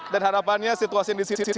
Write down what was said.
dan harapannya situasi di sini